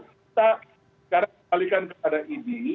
kita sekarang kembalikan kepada idi